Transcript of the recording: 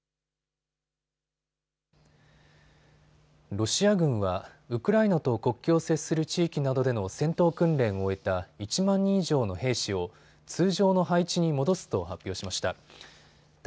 ロシア軍はウクライナと国境を接する地域などでの戦闘訓練を終えた１万人以上の兵士を通常の配置に戻すと発表しました。